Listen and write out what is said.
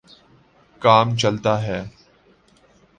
کام چلتا ہے۔